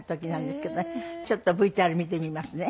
ちょっとＶＴＲ見てみますね。